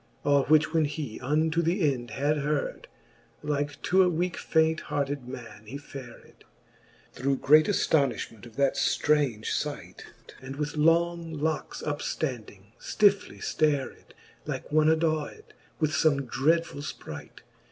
All which when he unto the end had heard, Like to a weake faint hearted man he fared. Through great aftonifhment of that ftraunge fight \ And with long locks up ftanding, ftifly flared Like one adawcd with fome dreadfuU fpright.